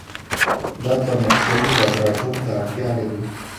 دا پرمختللي لابراتوار ته اړتیا لري.